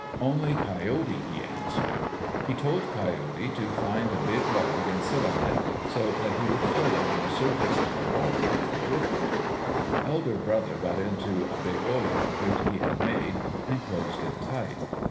Only Coyote he answered. He told Coyote to find a big log and sit on it, so that he would float on the surface of the water with the driftwood. Elder Brother got into a big olla which he had made, and closed it tight.